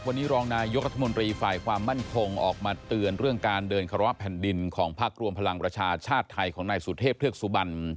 วันนี้รองนายกรัฐมนตรีฝ่ายความมั่นคงออกมาเตือนเรื่องการเดินคาระแผ่นดินของพักรวมพลังประชาชาติไทยของนายสุเทพเทือกสุบัน